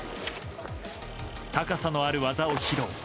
高さのある技を披露。